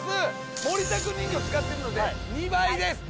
森田くん人形使ってるので２倍です。